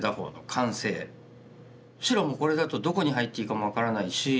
白もこれだとどこに入っていいかも分からないし。